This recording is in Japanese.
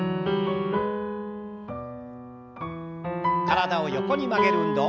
体を横に曲げる運動。